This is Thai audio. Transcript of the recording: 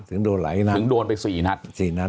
ถึงโดนหลายณถึงโดนไปสี่ณ